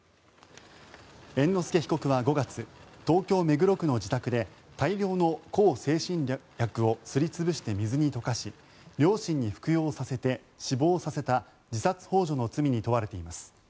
猿之助被告は５月東京・目黒区の自宅で大量の向精神薬をすりつぶして水に溶かし両親に服用させて死亡させた自殺幇助の罪に問われています。